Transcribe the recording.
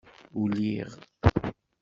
Uliɣ.